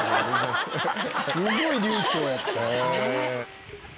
すごい流暢やった。ねえ。